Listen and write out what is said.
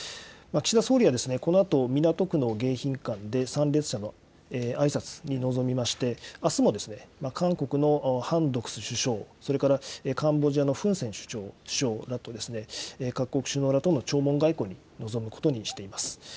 岸田総理は、このあと港区の迎賓館で参列者のあいさつに臨みまして、あすも韓国のハン・ドクス首相、それからカンボジアのフン・セン首相ら、各国首脳らとの弔問外交に臨むことにしています。